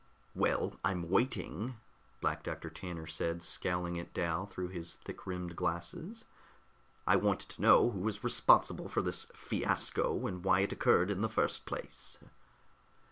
"Well, I'm waiting," Black Doctor Tanner said, scowling at Dal through his thick rimmed glasses. "I want to know who was responsible for this fiasco, and why it occurred in the first place."